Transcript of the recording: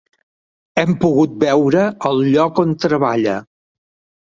Hem pogut veure el lloc on treballa.